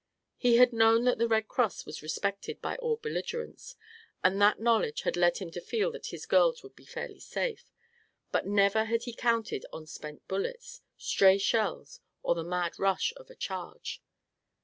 He had known that the Red Cross was respected by all belligerents, and that knowledge had led him to feel that his girls would be fairly safe; but never had he counted on spent bullets, stray shells or the mad rush of a charge.